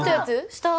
「下」。